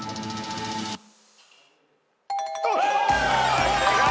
はい正解。